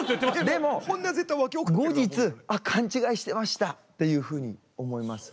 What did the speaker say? でも後日あっ勘違いしてましたっていうふうに思います。